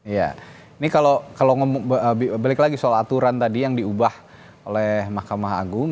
iya ini kalau balik lagi soal aturan tadi yang diubah oleh mahkamah agung